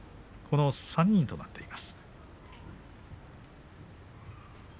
この３人となっています。